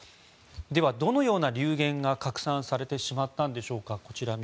では、どのような流言が拡散されたんでしょうか。